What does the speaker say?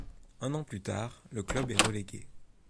Un an plus tard, le club est relégué.